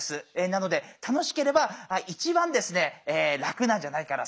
なので楽しければ一番ですね楽なんじゃないかな